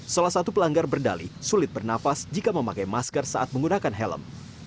salah satu pelanggar berdali sulit bernafas jika memakai masker saat menggunakan helm